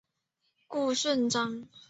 顾顺章。